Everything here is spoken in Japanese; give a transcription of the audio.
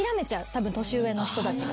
たぶん年上の人たちが。